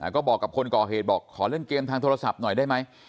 ก็บอกกับคนก่อเหตุบอกขอเล่นเกมทางโทรศัพท์หน่อยได้ไหม